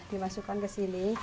dimasukkan ke sini